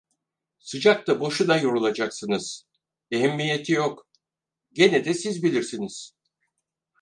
Sıcakta boşuna yorulacaksınız! Ehemmiyeti yok! Gene de siz bilirsiniz…